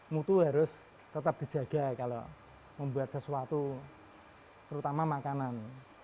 mutu harus tetap dijaga kalau membuat sesuatu terutama makanan